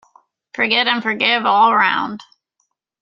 Forget and forgive all round!